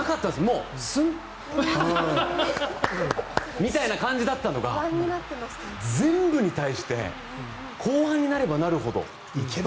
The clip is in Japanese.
もう、スンみたいな感じだったのが全部に対して後半になればなるほど行けると。